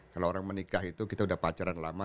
kalau orang menikah itu kita udah pacaran lama